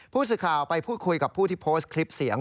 ผู้สื่อข่าวไปพูดคุยกับผู้ที่โพสต์คลิปเสียง